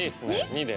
２で。